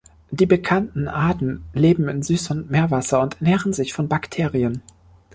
Die bekannten Arten leben in Süß- und Meerwasser und ernähren sich von Bakterien.